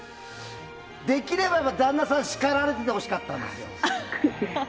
できれば旦那さんしかられててほしかったんですよ。